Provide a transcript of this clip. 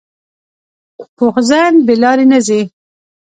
پوخ ذهن بې لارې نه ځي